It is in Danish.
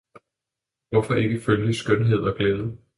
hvorfor ikke følge skønhed og glæde!